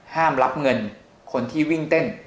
รับเงินคนที่วิ่งเต้น